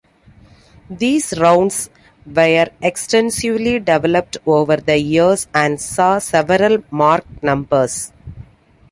These rounds were extensively developed over the years and saw several Mark numbers.